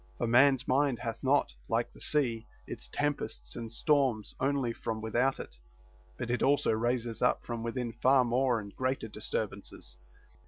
For man's mind hath not, like the sea, its tempests and storms only from without it, but it also raises up from within far more and greater disturbances.